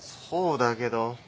そうだけど。